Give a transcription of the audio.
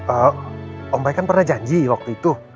oh om baik kan pernah janji waktu itu